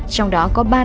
trong đó có ba năm tù